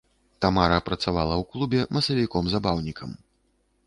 Тамара працавала ў клубе масавіком-забаўнікам.